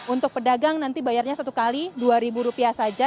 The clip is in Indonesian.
untuk pedagang nanti bayarnya satu kali rp dua saja